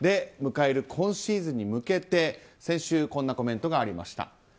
迎える今シーズンに向けて先週、こんなコメントがありました。